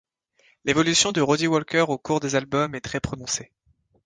L'évolution de Rody Walker au cours des albums est très prononcée.